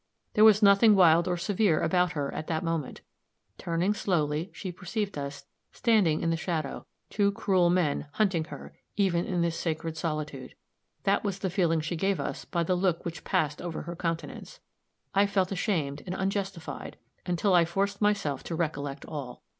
There was nothing wild or severe about her at that moment. Turning, slowly, she perceived us, standing there in the shadow two cruel men, hunting her even in this sacred solitude. That was the feeling she gave us by the look which passed over her countenance; I felt ashamed and unjustified until I forced myself to recollect all.